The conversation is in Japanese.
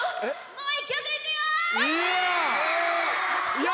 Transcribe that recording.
もう１曲いくよ！